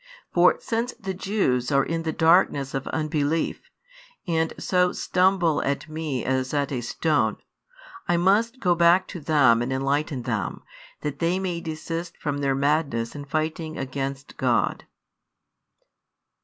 For since the Jews are in the darkness of unbelief, and so stumble at Me as at a stone, I must go back to them and enlighten them, that they may desist from their madness in fighting against God."